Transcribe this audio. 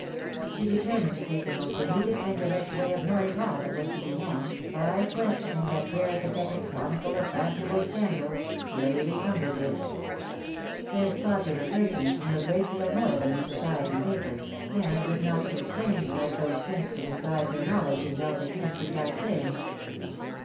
She determined to take the most immediate and direct way of knowing all that was to be known, by questioning that peripatetic chronicle of fashionable scandal, Lady Cumberbridge. This popular person age knew a great deal more than the Society papers, and was not constrained like those prints to disguise her knowledge in Delphic hints and dark sayings.